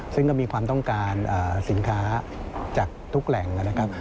ซึ่งก็มีความต้องการสินค้าจากทุกแหล่งนะครับ